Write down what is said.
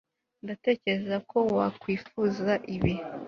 ndatekereza ko wakwifuza ibi